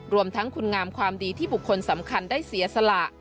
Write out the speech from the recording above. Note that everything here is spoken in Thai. รวมทั้งคุณงามความดีที่บุคคลสำคัญได้เสียสละ